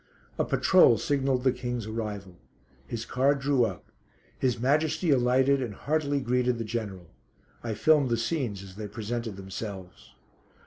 A patrol signalled the King's arrival. His car drew up; His Majesty alighted and heartily greeted the General. I filmed the scenes as they presented themselves.